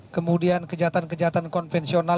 kemudian kejahatan kejahatan konvensional